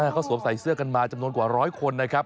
เขาสวมใส่เสื้อกันมาจำนวนกว่าร้อยคนนะครับ